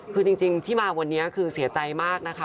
คือจริงที่มาวันนี้คือเสียใจมากนะคะ